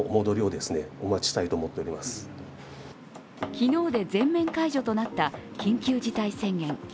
昨日で全面解除となった緊急事態宣言。